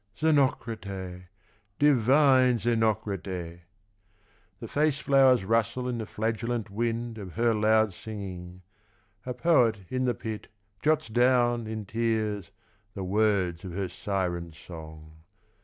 ..." Xenocrate, divine Xenocrate ! The face flbwers rustle in the flagellant wind Of her loud singing. A poet in the pit Jots down, in tears, the words of her Siren song.